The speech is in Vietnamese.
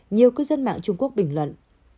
nhiều cư dân mạng trung quốc bình luận